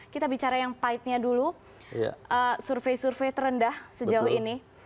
kita bicara yang pahitnya dulu survei survei terendah sejauh ini